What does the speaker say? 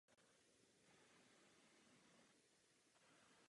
V témže roce byl zvolen do nově vzniklého Albánského svazu spisovatelů a umělců.